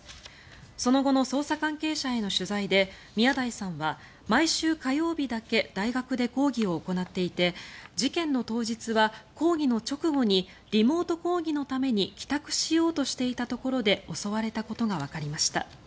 その後の捜査関係者への取材で宮台さんは毎週火曜日だけ大学で講義を行っていて事件の当日は講義の直後にリモート講義のために帰宅しようとしていたところで襲われたことがわかりました。